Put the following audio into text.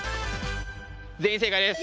全員正解です！